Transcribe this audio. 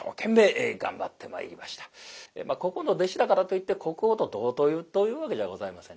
国宝の弟子だからといって国宝と同等というわけじゃございません。